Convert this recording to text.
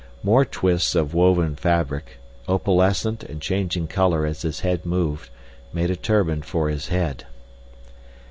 More twists of woven fabric, opalescent and changing color as his head moved, made a turban for his head.